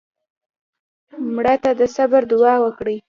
مړه ته د صبر دوعا وکړې